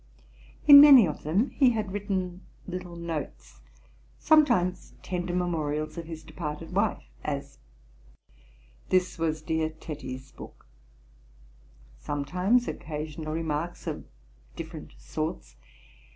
In many of them he had written little notes: sometimes tender memorials of his departed wife; as, 'This was dear Tetty's book:' sometimes occasional remarks of different sorts.